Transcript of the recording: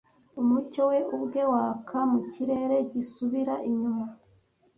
Umucyo we ubwe waka mu kirere gisubira inyuma?